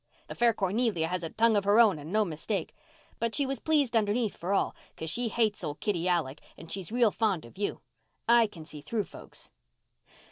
The fair Cornelia has a tongue of her own and no mistake. But she was pleased underneath for all, 'cause she hates old Kitty Alec and she's real fond of you. I can see through folks."